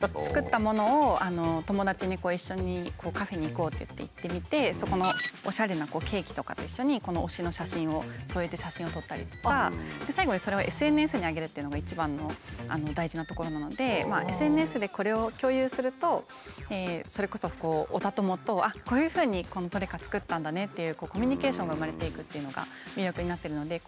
作ったものを友達に一緒にカフェに行こうっていって行ってみてそこのおしゃれなケーキとかと一緒に推しの写真を添えて写真を撮ったりとか最後にそれをＳＮＳに上げるというのが一番の大事なところなのでＳＮＳでこれを共有するとそれこそオタ友とこういうふうにこのトレカ作ったんだねっていうコミュニケーションが生まれていくっていうのが魅力になってるので。